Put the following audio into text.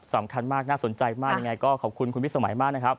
สำคัญมากน่าสนใจมากยังไงก็ขอบคุณคุณพิสมัยมากนะครับ